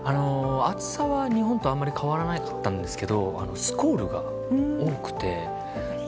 暑さは日本とあまり変わらなかったんですがスコールが多くて。